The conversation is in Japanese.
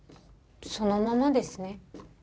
そのままですね。